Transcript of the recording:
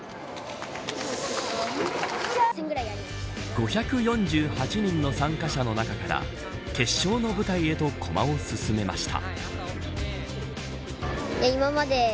５４８人の参加者の中から決勝の舞台へと駒を進めました。